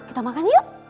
kita makan yuk